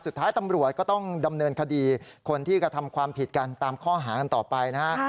สุดท้ายตำรวจก็ต้องดำเนินคดีคนที่กระทำความผิดกันตามข้อหากันต่อไปนะฮะ